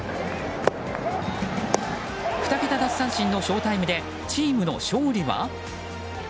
２桁奪三振のショータイムでチームの勝利は？